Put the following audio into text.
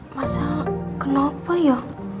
mas al kenapa ya